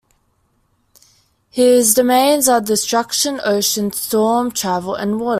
His domains are Destruction, Ocean, Storm, Travel and Water.